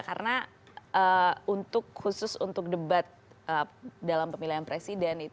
karena khusus untuk debat dalam pemilihan presiden